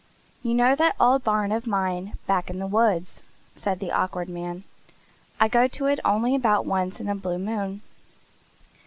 "You know that old barn of mine back in the woods?" said the Awkward Man. "I go to it only about once in a blue moon.